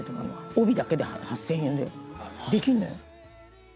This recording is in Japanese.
帯だけで８０００円でできるのよ。